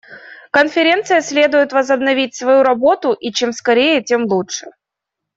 Конференции следует возобновить свою работу, и чем скорее, тем лучше.